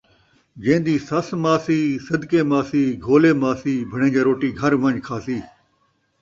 جین٘دی سس ماسی، صدقے ماسی، گھولے ماسی ، بھݨیجا روٹی گھر ون٘ڄ کھاسی